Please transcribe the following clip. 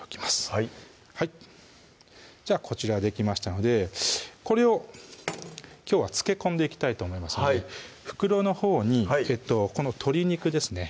はいはいじゃあこちらできましたのでこれをきょうは漬け込んでいきたいと思いますので袋のほうにこの鶏肉ですね